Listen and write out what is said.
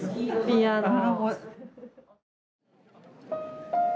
ピアノ。